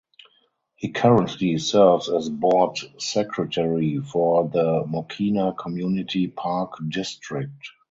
He currently serves as board secretary for the Mokena Community Park District.